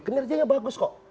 kinerjanya bagus kok